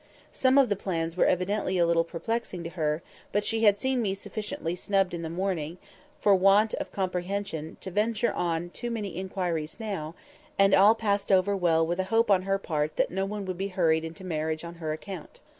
Some of the plans were evidently a little perplexing to her; but she had seen me sufficiently snubbed in the morning for want of comprehension to venture on too many inquiries now; and all passed over well with a hope on her part that no one would be hurried into marriage on her account.